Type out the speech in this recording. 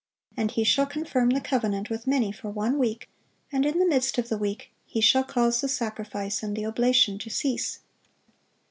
And He shall confirm the covenant with many for one week: and in the midst of the week He shall cause the sacrifice and the oblation to cease."